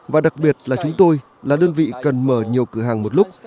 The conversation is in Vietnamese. và đặc biệt là chúng tôi là đơn vị cần mở nhiều cửa hàng một lúc